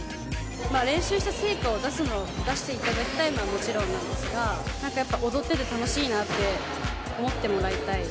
練習した成果を出していただきたいのはもちろんなんですが、なんかやっぱ踊ってて楽しいなって思ってもらいたい。